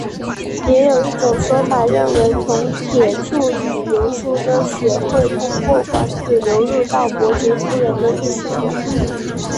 也有一种说法认为从铁处女流出的血会通过管子流入到伯爵夫人的浴室中。